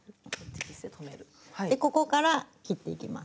でここから切っていきます。